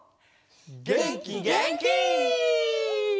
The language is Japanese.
げんきげんき！